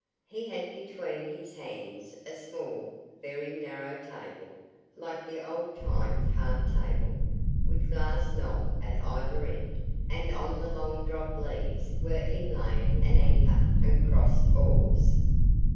He had between his hands a small, very narrow table, like the old time card table, with glass knob at either end, and on the long drop leaves were inlaid an anchor and crossed oars.